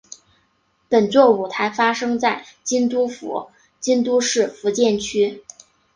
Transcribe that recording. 本作舞台发生在京都府京都市伏见区。